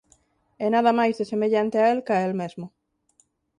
E nada máis desemellante a el ca el mesmo.